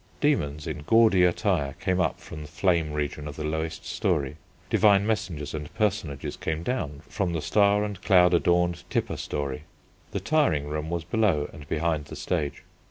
Demons, in gaudy attire, came up from the flame region of the lowest storey; divine messengers and personages came down from the star and cloud adorned upper storey. The tiring room was below and behind the stage.